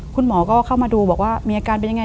คุณหมอก็เข้ามาดูบอกว่ามีอาการเป็นยังไง